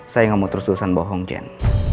saya gak mau terus lulusan bohong jen